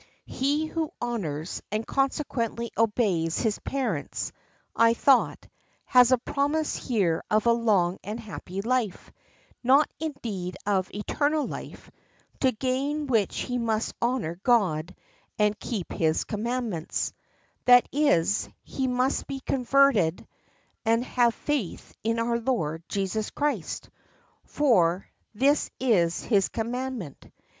He who honours, and consequently obeys his parents, I thought, has a promise here of a long and happy life, not indeed of eternal life, to gain which he must honour God and keep His commandments, that is, he must be converted and have faith in our Lord Jesus Christ, for 'this is His commandment.